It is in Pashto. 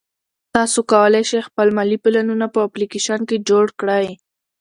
تاسو کولای شئ خپل مالي پلانونه په اپلیکیشن کې جوړ کړئ.